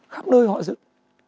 khắp nơi họ dựng